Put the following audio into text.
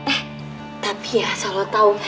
eh tapi ya soal lo tau